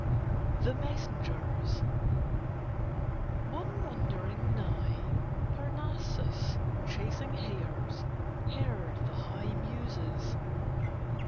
THE MESSENGERS One wandering nigh Parnassus chasing hares heard the high Muses.